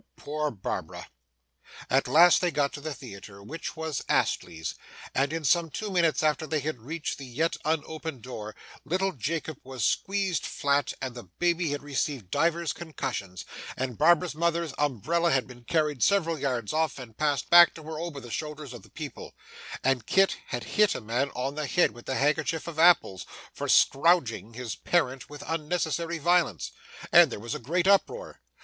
Poor Barbara! At last they got to the theatre, which was Astley's: and in some two minutes after they had reached the yet unopened door, little Jacob was squeezed flat, and the baby had received divers concussions, and Barbara's mother's umbrella had been carried several yards off and passed back to her over the shoulders of the people, and Kit had hit a man on the head with the handkerchief of apples for 'scrowdging' his parent with unnecessary violence, and there was a great uproar.